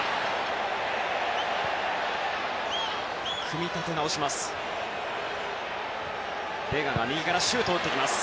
組み立てなおします。